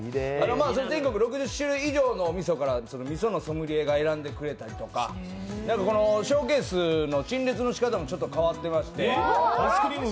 全国６０種類以上のみそからみそのソムリエが選んでくれたりとかショーケースの陳列のしかたもちょっと変わってまして。